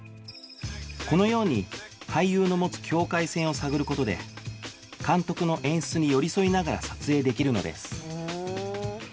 このように俳優の持つ境界線を探る事で監督の演出に寄り添いながら撮影できるのです